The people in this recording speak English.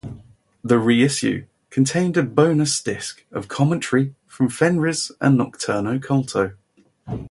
The reissue contained a bonus disc of commentary from Fenriz and Nocturno Culto.